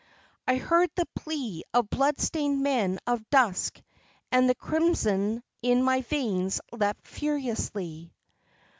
I heard the plea of blood stained men of dusk and the crimson in my veins leapt furiously.